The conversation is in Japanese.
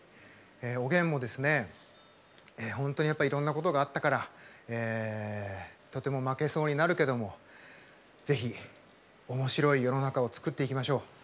おげんも、本当に、やっぱりいろんなことがあったからとても負けそうになるけどもぜひおもしろい世の中を作っていきましょう。